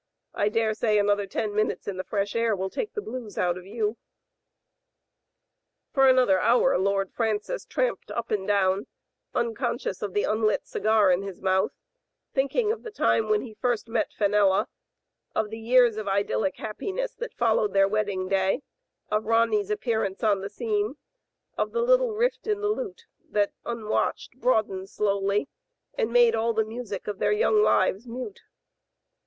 I daresay another ten minutes in the fresh air will take the blues out of you. For another hour Lord Francis tramped up and down, unconscious of the unHt cigar in his mouth, thinking of the time when he first met Fenella, of the years of idyllic happiness that fol lowed their wedding day, of Ronny's appearance on the scene, of the little rift in the lute that, unwatched, broadened slowly, and made all the music of their young lives mute.